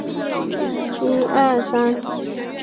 茶店子客运站是一个岛式站台车站。